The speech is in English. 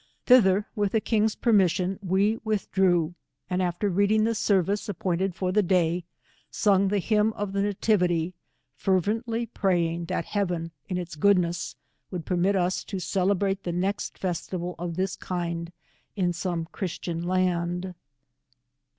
Thi ther with the king's permission, we withdrew, and after reading the service appointed for the day, sung the hymn of the Nativity, fervently praying that heaven in its goodness, would permit us to celebrate the next festival c/f this kind in some Christian land.